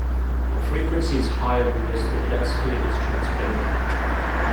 At frequencies higher than this the jet sphere is transparent.